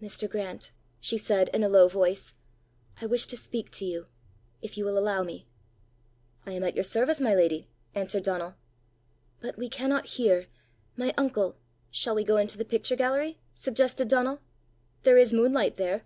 "Mr. Grant," she said, in a low voice, "I wish to speak to you if you will allow me." "I am at your service, my lady," answered Donal. "But we cannot here! My uncle " "Shall we go into the picture gallery?" suggested Donal; "there is moonlight there."